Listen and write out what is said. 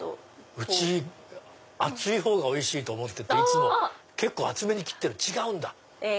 うち厚いほうがおいしいと思ってていつも結構厚めに切ってる違うんだ。